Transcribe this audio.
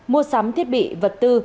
mua sắm thiết bị vật tư